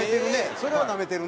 それはなめてるね。